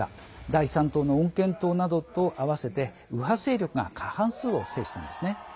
第３党の穏健党などと合わせて右派勢力が過半数を制してますね。